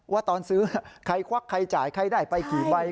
ว่าตอนซื้อใครควักใครจ่ายใครได้ไปกี่ใบ